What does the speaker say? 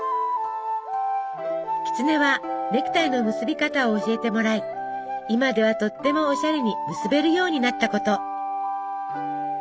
キツネはネクタイの結び方を教えてもらい今ではとってもオシャレに結べるようになったこと。